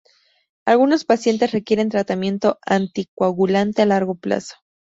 Algunos pacientes requieren tratamiento anticoagulante a largo plazo.